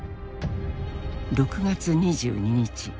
６月２２日。